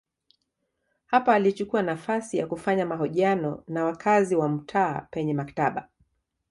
Hapa alichukua nafasi ya kufanya mahojiano na wakazi wa mtaa penye maktaba.